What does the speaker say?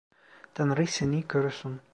Tanrı seni korusun.